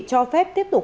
cho phép tiếp tục